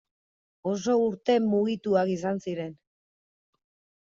Oso urte mugituak izan ziren.